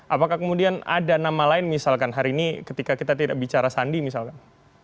apakah kemudian ada nama lain misalkan hari ini ketika kita tidak bicara sandi misalkan